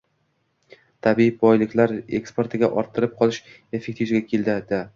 Tabiiy boyliklar eksportiga «o‘tirib qolish» effekti yuzaga keladi.